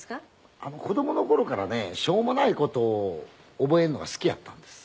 子供の頃からねしょうもない事を覚えるのが好きやったんです。